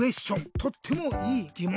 とってもいいぎもんだね。